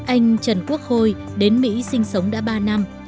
anh trần quốc khôi đến mỹ sinh sống đã ba năm